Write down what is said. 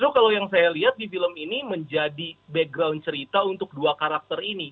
itu kalau yang saya lihat di film ini menjadi background cerita untuk dua karakter ini